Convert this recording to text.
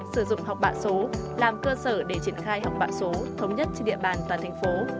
sử dụng học bạ số làm cơ sở để triển khai học bạ số thống nhất trên địa bàn toàn thành phố